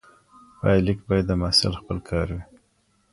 پایلیک باید د محصل خپل کار وي.